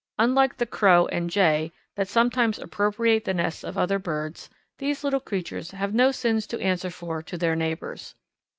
Unlike the Crow and Jay, that sometimes appropriate the nests of other birds, these little creatures have no sins to answer for to their neighbours.